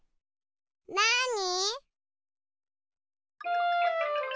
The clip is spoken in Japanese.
なに？